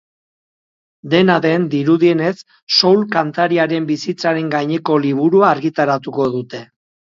Dena den, dirudienez, soul kantariaren bizitzaren gaineko liburua argitaratuko dute.